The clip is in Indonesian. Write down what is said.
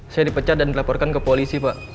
saya di pecat dan dilaporkan ke polisi pa